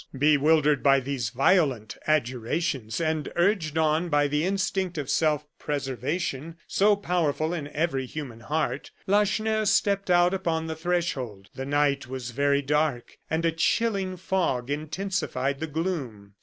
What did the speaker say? Bewildered by these violent adjurations, and urged on by the instinct of self preservation, so powerful in every human heart, Lacheneur stepped out upon the threshold. The night was very dark, and a chilling fog intensified the gloom.